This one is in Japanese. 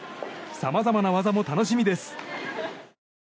さまざまな技も楽しみです。